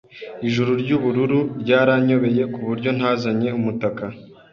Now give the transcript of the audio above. Ijuru ryubururu ryaranyobeye kuburyo ntazanye umutaka.